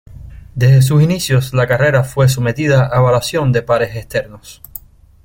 Desde sus inicios la carrera fue sometida a evaluación de pares externos.